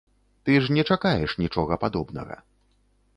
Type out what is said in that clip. Ты ж не чакаеш нічога падобнага.